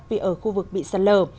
vì ở khu vực bị sạt lờ